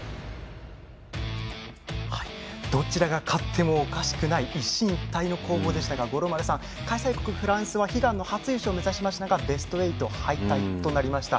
どちらが勝ってもおかしくない一進一退の攻防でしたが五郎丸さん、開催国フランスは悲願の初優勝を目指していましたがベスト８敗退となりました。